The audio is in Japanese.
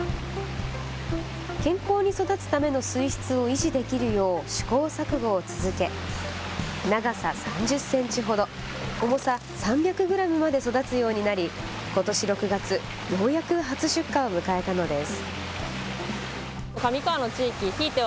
健康に育つための水質を維持できるよう試行錯誤を続け長さ３０センチほど重さ３００グラムまで育つようになり、ことし６月、ようやく初出荷を迎えたのです。